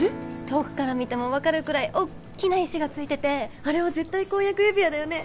遠くから見ても分かるくらいおっきな石がついててあれは絶対婚約指輪だよね